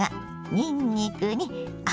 にんにくに赤